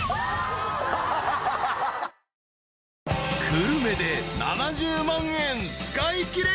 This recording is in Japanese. ［久留米で７０万円使いきれ］